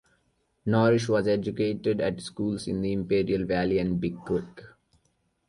Norris was educated at schools in the Imperial Valley and Big Creek.